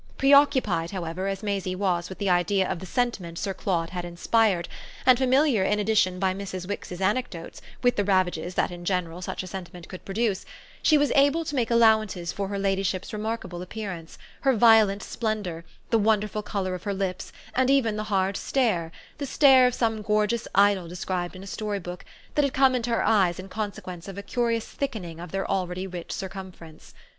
Preoccupied, however, as Maisie was with the idea of the sentiment Sir Claude had inspired, and familiar, in addition, by Mrs. Wix's anecdotes, with the ravages that in general such a sentiment could produce, she was able to make allowances for her ladyship's remarkable appearance, her violent splendour, the wonderful colour of her lips and even the hard stare, the stare of some gorgeous idol described in a story book, that had come into her eyes in consequence of a curious thickening of their already rich circumference.